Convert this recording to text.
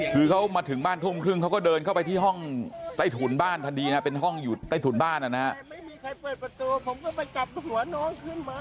คือเขามาถึงบ้านทุ่มครึ่งเขาก็เดินเข้าไปที่ห้องใต้ถุนบ้านทันทีนะเป็นห้องอยู่ใต้ถุนบ้านนะฮะ